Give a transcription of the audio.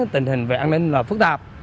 tình hình về an ninh là phức tạp